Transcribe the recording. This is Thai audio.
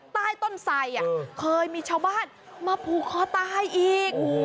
ใต้ต้นไสเคยมีชาวบ้านมาผูกคอตายอีก